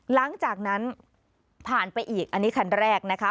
หลังจากนั้นผ่านไปอีกอันนี้คันแรกนะคะ